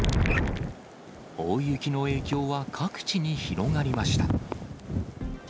大雪の影響は各地に広がりました。